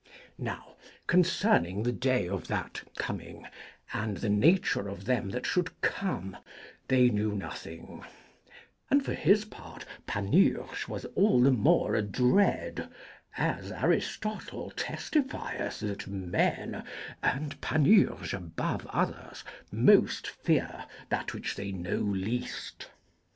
Now concerning the day of that coming, and the nature of them that should come, they knew nothing; and for his part Panurge was all the more adread, as Aristotle testifieth that men (and Panurge above others) most fear that which they know least.